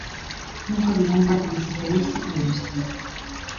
Nunca vin un Partido Socialista como este.